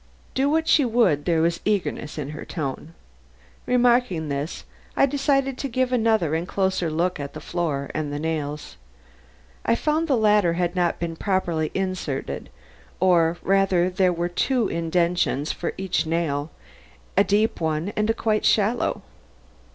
Do what she would there was eagerness in her tone. Remarking this, I decided to give another and closer look at the floor and the nails. I found the latter had not been properly inserted; or rather that there were two indentations for every nail, a deep one and one quite shallow.